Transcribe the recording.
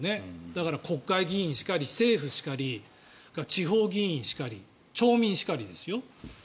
だから国会議員しかり政府しかり地方議員しかり町民しかりですよ。